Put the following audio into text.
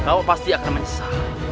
kau pasti akan menyesal